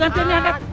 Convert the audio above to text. mau gantiannya angkat